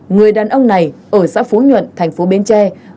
người đàn ông này ở xã phú nhuận thành phố bến tre